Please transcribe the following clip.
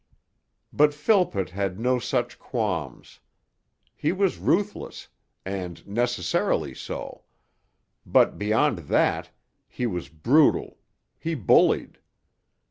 But Philpott had no such qualms. He was ruthless, and necessarily so; but, beyond that, he was brutal, he bullied.